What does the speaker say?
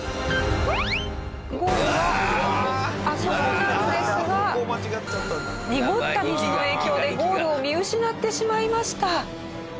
ゴールはあそこなんですが濁った水の影響でゴールを見失ってしまいました。